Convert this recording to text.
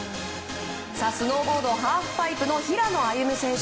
スノーボードハーフパイプの平野歩夢選手。